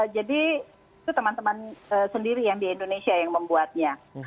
jadi itu teman teman sendiri yang di indonesia yang membuatnya